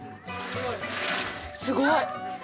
すごい！